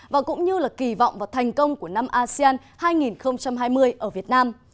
và cũng như là kỳ vọng vào thành công của năm asean hai nghìn hai mươi ở việt nam